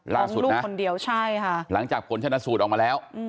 ลูกคนเดียวใช่ค่ะหลังจากผลชนะสูตรออกมาแล้ว